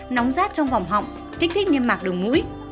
nóng rát trong vòng họng kích thích niêm mạc đường mũi